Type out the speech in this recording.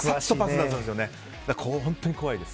だから本当に怖いです。